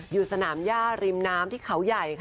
อยู่สนามย่าริมน้ำที่เขาใหญ่ค่ะ